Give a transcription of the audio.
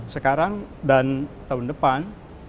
sekarang dan tahun depan